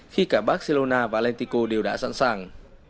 khi cả barcelona và atlético đều đã sẵn sàng